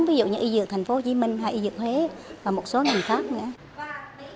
ví dụ như y dược thành phố hồ chí minh hay y dược huế và một số nền khác nữa